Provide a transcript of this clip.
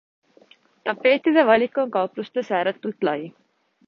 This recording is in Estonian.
Tapeetide valik on kauplustes ääretult lai.